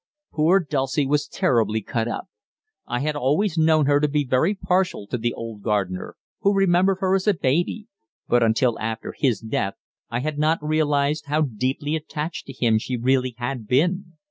Poor Dulcie was terribly cut up. I had always known her to be very partial to the old gardener, who remembered her as a baby, but until after his death I had not realized how deeply attached to him she really had been.